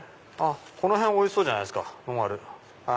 この辺おいしそうじゃないですかノンアル。